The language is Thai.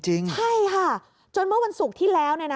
ใช่ค่ะจนเมื่อวันศุกร์ที่แล้ว